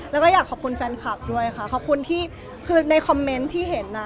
แล้วก็อยากขอบคุณแฟนคลับด้วยค่ะขอบคุณที่คือในคอมเมนต์ที่เห็นน่ะ